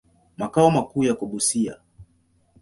Makao makuu yako Busia.